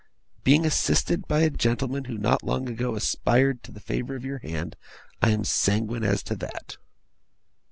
Being assisted by a gentleman who not long ago aspired to the favour of your hand, I am sanguine as to that.